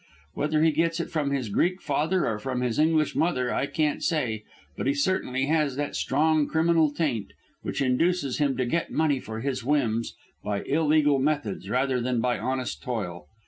Whether he gets it from his Greek father or from his English mother I can't say, but he certainly has that strong criminal taint, which induces him to get money for his whims by illegal methods rather than by honest toil.